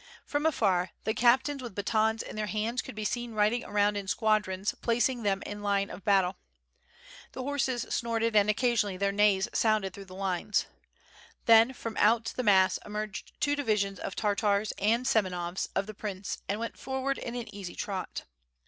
From afar the captains with batons in their hands could be seen riding around in squadrons placing them in line of battle. The horses snorted and occasionally their neighs sounded through the lines. Then from out the mass emerged two divisions of Tartars and Semenovs of the prince and went forward in an easy trot.